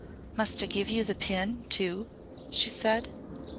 "Must I give you the pin too?" she said.